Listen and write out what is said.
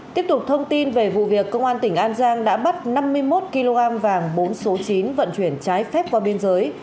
tiếp tục thông tin về vụ việc công an tỉnh an giang đã bắt năm mươi một kg vàng bốn số chín vận chuyển trái phép qua biên giới